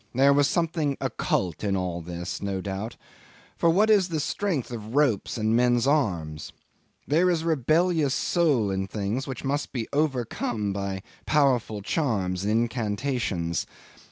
There was something occult in all this, no doubt; for what is the strength of ropes and of men's arms? There is a rebellious soul in things which must be overcome by powerful charms and incantations.